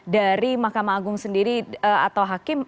dari mahkamah agung sendiri atau hakim